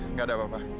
nggak ada apa apa